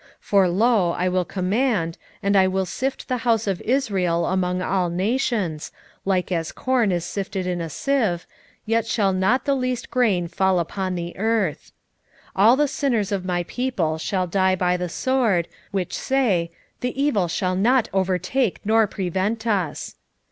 9:9 For, lo, I will command, and I will sift the house of Israel among all nations, like as corn is sifted in a sieve, yet shall not the least grain fall upon the earth. 9:10 All the sinners of my people shall die by the sword, which say, The evil shall not overtake nor prevent us.